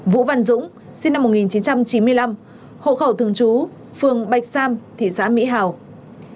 vũ văn dũng sinh năm một nghìn chín trăm chín mươi năm hộ khẩu thường trú phường bạch sam thị xã mỹ hào